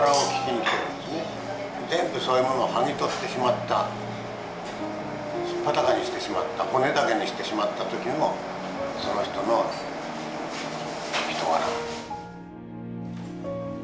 全部そういうものをはぎ取ってしまった素っ裸にしてしまった骨だけにしてしまった時のその人の人柄。